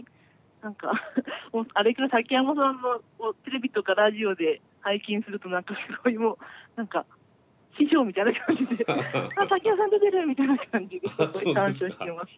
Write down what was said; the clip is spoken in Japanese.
何かあれから竹山さんをテレビとかラジオで拝見すると何かすごいもう何か師匠みたいな感じで「あ竹山さん出てる！」みたいな感じでちょっと鑑賞してます。